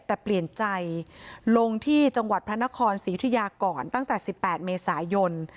แต่เปลี่ยนใจลงที่จังหวัดพระนครศรีอุทยากรตั้งแต่สิบแปดเมษายน